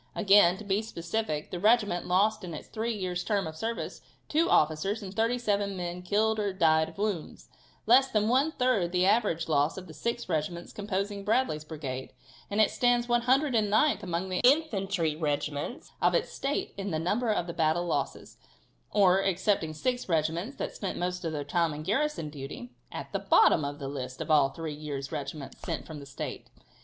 Again, to be specific, the regiment lost in its three years' term of service two officers and thirty seven men killed or died of wounds, less than one third the average loss of the six regiments composing Bradley's brigade, and it stands 109th among the infantry regiments of its State in the number of its battle losses, or, excepting six regiments that spent most of their time in garrison duty, at the bottom of the list of all three years' regiments sent from the State.